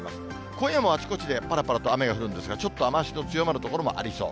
今夜もあちこちでぱらぱらと雨が降るんですが、ちょっと雨足の強まる所もありそう。